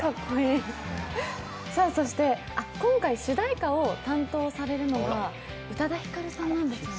今回、主題歌を担当されるのは宇多田ヒカルさんなんですね。